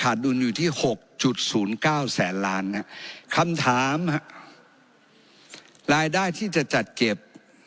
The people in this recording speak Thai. ดุลอยู่ที่๖๐๙แสนล้านคำถามรายได้ที่จะจัดเก็บ